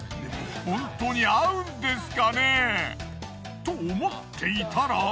ホントに合うんですかね？と思っていたら。